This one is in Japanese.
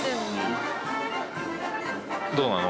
どうなの？